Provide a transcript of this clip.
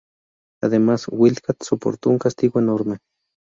Además, el Wildcat soportó un castigo enorme.